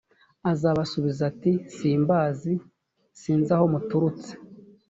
azabasubiza ati simbazi sinzi n’aho muturutse